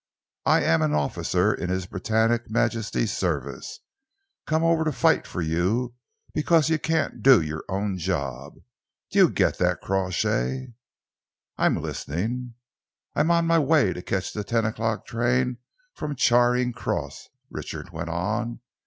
"I am an officer in His Britannic Majesty's Service, come over to fight for you because you can't do your own job. Do you get that, Crawshay?" "I am listening." "I am on my way to catch the ten o'clock train from Charing Cross," Richard went on.